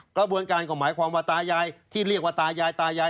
กระบวนการก็หมายความว่าตายายที่เรียกว่าตายายตายาย